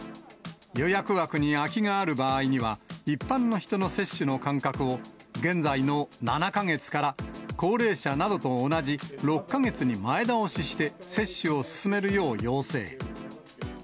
予約枠に空きがある場合には、一般の人の接種の間隔を、現在の７か月から、高齢者などと同じ６か月に前倒しして接種を進めるよう要請。